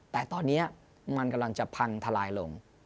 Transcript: แต่ตอนนี้มันกำลังจะพังทลายลง